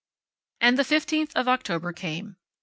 And the fifteenth of October came.